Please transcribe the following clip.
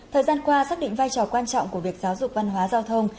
thời gian qua xác định vai trò quan trọng của việc giáo dục văn hóa giao thông